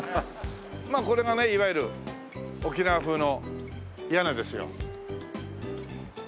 これがねいわゆる沖縄風の屋根ですよ。